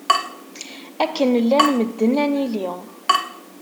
Akken llan medden ad nili.